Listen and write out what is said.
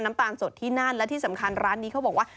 ตาลสดที่นั่นและที่สำคัญร้านนี้เขาบอกว่า